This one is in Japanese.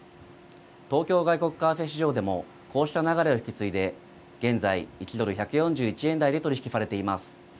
東京外国為替市場でもこうした流れを引き継いで現在、１ドル１４１円台で取り引きされています。